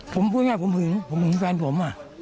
ผมพูดง่ายผมหึงผมหึงแฟนผม